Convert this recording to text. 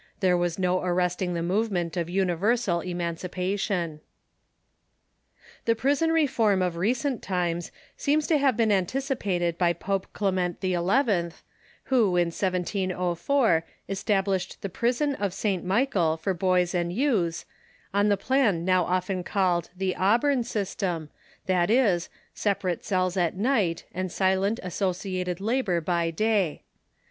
There was no arresting the movement of universal emancipation. The prison reform of recent times seems to have been antic ipated by Pope Clement XL, who, in 1*704, established the pris PHILANTHROPY IX ENGLAND AND GERMANY 417 on of St. Michael for boys and youths, on the i)lan now often called the "Auburn system," viz., separate cells at night and silent associated labor by day.